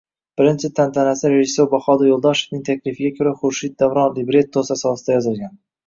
birinchi tantanasi rejissyor Bahodir Yo’ldoshevning taklifiga ko’ra Xurshid Davron librettosi asosida yozilgan